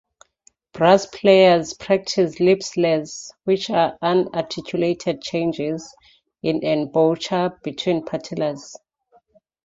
Brass players practice "lip slurs", which are unarticulated changes in embouchure between partials.